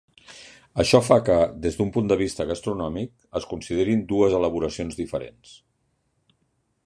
Això fa que, des d’un punt de vista gastronòmic, es considerin dues elaboracions diferents.